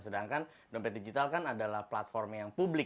sedangkan dompet digital kan adalah platform yang publik